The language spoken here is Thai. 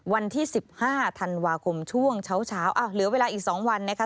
วันที่สิบห้าธันวาคมช่วงเช้าเช้าอ่าเหลือเวลาอีกสองวันเนี่ยค่ะ